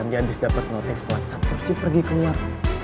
sampai habis dapet notif whatsapp terus dipergi keluar